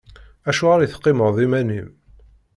Acuɣeṛ i teqqimeḍ iman-im?